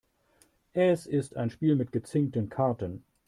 Es ist ein Spiel mit gezinkten Karten.